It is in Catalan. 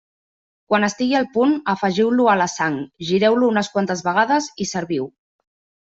Quan estigui al punt, afegiu-lo a la sang, gireu-lo unes quantes vegades i serviu.